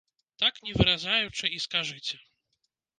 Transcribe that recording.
Так, не выразаючы, і скажыце.